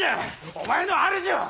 お前の主は！？